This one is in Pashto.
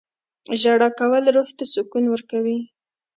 • ژړا کول روح ته سکون ورکوي.